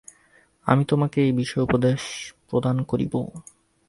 আমি তোমাকে এই বিষয়ে উপদেশ প্রদান করিব।